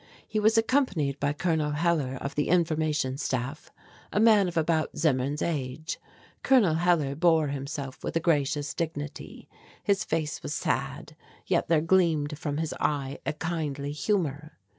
He was accompanied by Col. Hellar of the Information Staff, a man of about Zimmern's age. Col. Hellar bore himself with a gracious dignity; his face was sad, yet there gleamed from his eye a kindly humor.